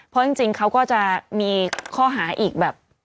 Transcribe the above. เพราะจริงเขาก็จะมีข้อหาอีกแบบ